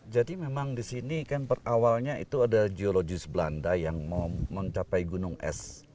memang di sini kan awalnya itu ada geologis belanda yang mencapai gunung es